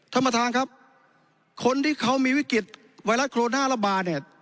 ท่านประธานครับคนที่เขามีวิกฤตไวรัสโคโรนาระบาดเนี่ย